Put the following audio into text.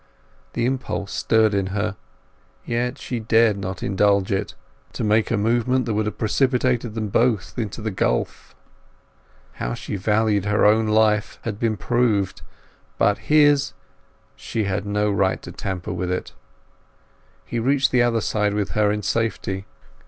The impulse stirred in her, yet she dared not indulge it, to make a movement that would have precipitated them both into the gulf. How she valued her own life had been proved; but his—she had no right to tamper with it. He reached the other side with her in safety.